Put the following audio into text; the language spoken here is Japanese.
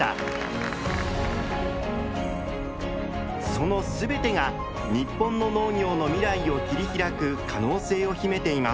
そのすべてが日本の農業の未来を切り開く可能性を秘めています。